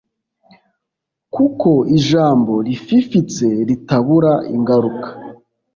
kuko ijambo rififitse ritabura ingaruka